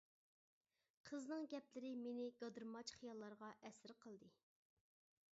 قىزنىڭ گەپلىرى مېنى گادىرماچ خىياللارغا ئەسىر قىلدى.